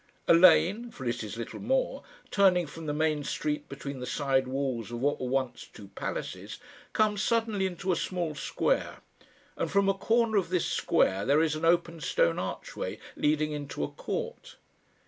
A lane, for it is little more, turning from the main street between the side walls of what were once two palaces, comes suddenly into a small square, and from a corner of this square there is an open stone archway leading into a court.